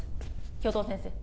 教頭先生